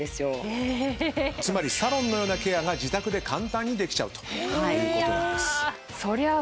つまりサロンのようなケアが自宅で簡単にできちゃうということなんです。